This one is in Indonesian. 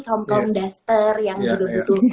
kaum kaum duster yang juga butuh